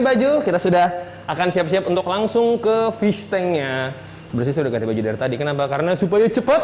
baju kita sudah akan siap siap untuk langsung ke fish tanknya sebesar dari tadi kenapa karena